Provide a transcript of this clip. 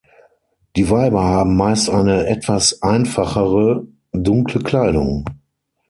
Die Weiber haben meist eine etwas einfachere, dunkle Kleidung.